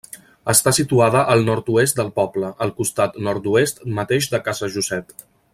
Està situada al nord-oest del poble, al costat nord-oest mateix de Casa Josep.